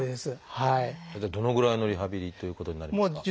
大体どのぐらいのリハビリということになりますか？